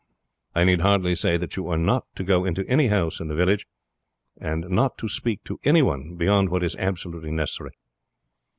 I need hardly say that you are not to go into any house in the village, not to speak to any one beyond what is absolutely necessary."